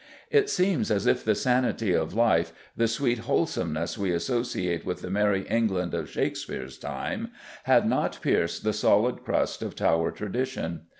It seems as if the sanity of life, the sweet wholesomeness we associate with the Merrie England of Shakespeare's time, had not pierced the solid crust of Tower tradition.